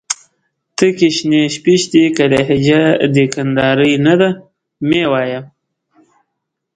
تکي شنې شپيشتي. که لهجه دي کندهارۍ نه ده مې وايه